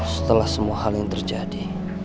setelah semua hal yang terjadi